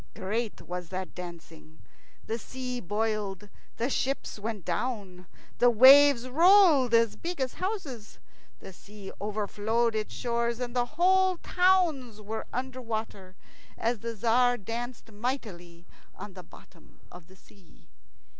Great was that dancing. The sea boiled, and ships went down. The waves rolled as big as houses. The sea overflowed its shores, and whole towns were under water as the Tzar danced mightily on the bottom of the sea.